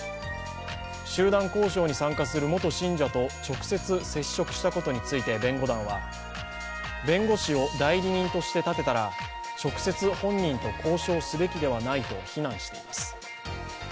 集団交渉に参加する元信者と直接接触したことについて弁護団は、弁護士を代理人として立てたら直接本人と交渉すべきではないと非難しています。